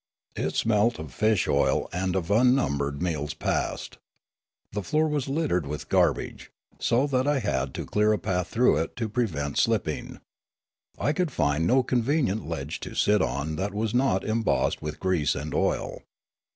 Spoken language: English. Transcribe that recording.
It smelt of fish oil and of unnumbered meals past. The floor was littered with garbage, so that I had to clear a path through it to prevent slipping. I could find no convenient ledge to sit on that was not em bossed with grease and oil.